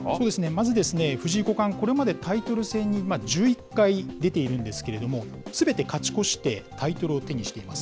まず、藤井五冠、これまでタイトル戦に１１回出ているんですけれども、すべて勝ち越してタイトルを手にしています。